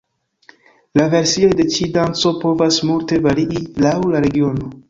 La versioj de ĉi danco povas multe varii laŭ la regiono.